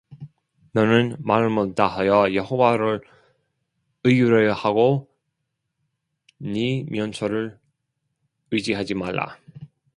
너는 마음을 다하여 여호와를 의뢰하고 네 명철을 의지하지 말라